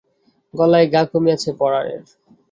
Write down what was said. গলায় ঘা কমিয়াছে পরানের।